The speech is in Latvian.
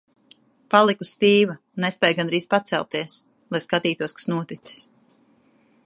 Paliku stīva, nespēju gandrīz pacelties, lai skatītos, kas noticis.